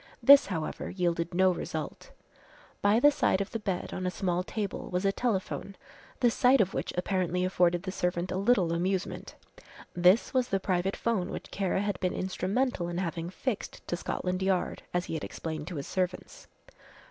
This however yielded no result. By the side of the bed on a small table was a telephone, the sight of which apparently afforded the servant a little amusement. This was the private 'phone which Kara had been instrumental in having fixed to Scotland Yard as he had explained to his servants.